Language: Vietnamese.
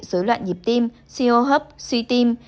dối loạn nhịp tim suy hô hấp suy tim